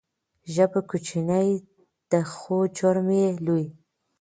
ژبه کوچنۍ ده خو جرم یې لوی.